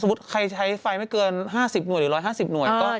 ใครใช้ไฟไม่เกิน๕๐หน่วยหรือ๑๕๐หน่วย